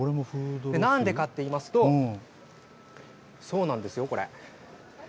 なんでかといいますと、そうなんですよ、これ。